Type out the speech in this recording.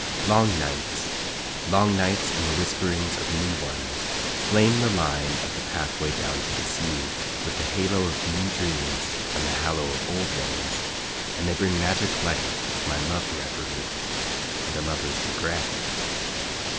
Long nights, long nights and the whisperings of new ones, Flame the line of the pathway down to the sea With the halo of new dreams and the hallow of old ones, And they bring magic light to my love reverie And a lover's regret.